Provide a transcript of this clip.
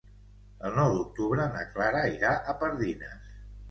El nou d'octubre na Clara irà a Pardines.